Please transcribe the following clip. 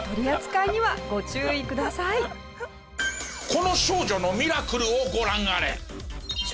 この少女のミラクルをご覧あれ。